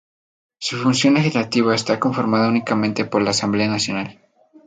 La función legislativa está conformada únicamente por la Asamblea Nacional.